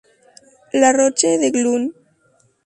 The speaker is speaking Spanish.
La Roche-de-Glun